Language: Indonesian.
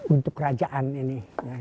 untuk kerajaan ini